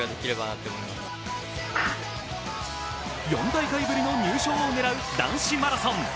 ４大会ぶりの入賞を狙う男子マラソン。